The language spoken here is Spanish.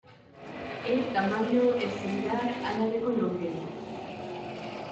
El tamaño es similar a la de Colombia.